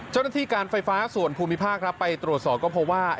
เจ้าหน้าที่การไฟฟ้าส่วนภูมิภาคครับไปตรวจสอบก็พบว่า